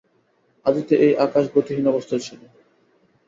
আদিতে এই আকাশ গতিহীন অবস্থায় ছিল।